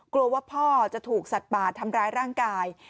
กลัวว่าพ่อจะถูกสัตว์ป่าทำร้ายร่างกาย